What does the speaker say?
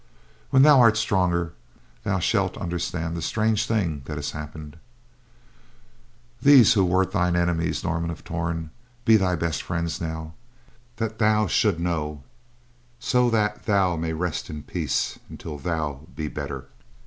When thou art stronger, thou shalt understand the strange thing that has happened. These who were thine enemies, Norman of Torn, be thy best friends now—that thou should know, so that thou may rest in peace until thou be better."